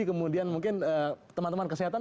kemudian mungkin teman teman kesehatan